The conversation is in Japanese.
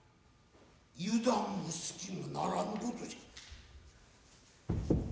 油断も隙もならぬことじゃ。